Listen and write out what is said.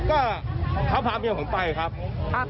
ก็เขาพาเมียผมไปครับ